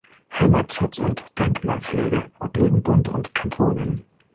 Heimatschutz und Denkmalpflege obliegen Bund und Kantonen.